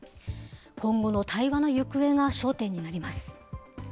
今後の対話の行方が焦点になります。